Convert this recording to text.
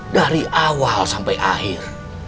dari awal sampai akhir